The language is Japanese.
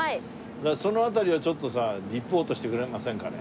だからその辺りをちょっとさリポートしてくれませんかね？